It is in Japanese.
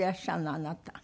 あなた。